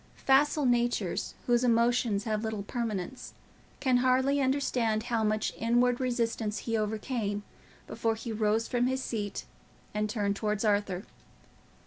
Facile natures, whose emotions have little permanence, can hardly understand how much inward resistance he overcame before he rose from his seat and turned towards Arthur.